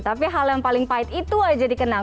tapi hal yang paling pahit itu aja dikenal